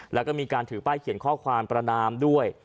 แล้วก็มีการถือป้ายเขียนข้อความประนามด้วย